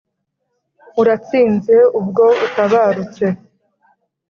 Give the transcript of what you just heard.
uratsinze ubwo utabarutse